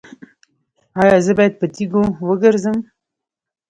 ایا زه باید په تیږو وګرځم؟